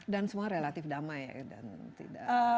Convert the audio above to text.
dan semua relatif damai ya dan tidak